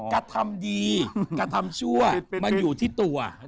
กระทำดีกระทำชั่วมันอยู่ที่ตัว